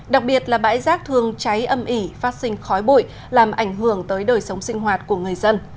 đặc biệt là bãi rác thường cháy âm ỉ phát sinh khói bụi làm ảnh hưởng tới đời sống sinh hoạt của người dân